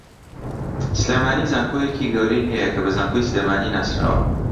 سلێمانی زانکۆیەکی گەورەی ھەیە کە بە زانکۆی سلێمانی ناسراوە